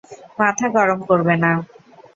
মাথা গরম করবে না।